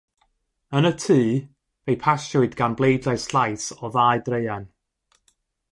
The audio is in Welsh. Yn y Tŷ, fe'i pasiwyd gan bleidlais llais o ddau draean.